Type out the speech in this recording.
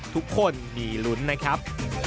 ทุกคนมีลุ้นนะครับ